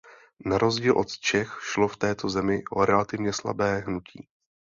Na rozdíl od Čech šlo v této zemi o relativně slabé hnutí.